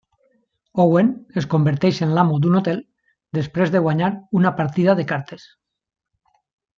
Owen es converteix en l'amo d'un hotel després de guanyar una partida de cartes.